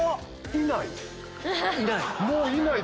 いない！